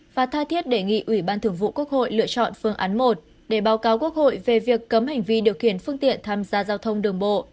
và tha thiết đề nghị ủy ban thường vụ quốc hội lựa chọn phương án một để báo cáo quốc hội về việc cấm hành vi điều khiển phương tiện tham gia giao thông đường bộ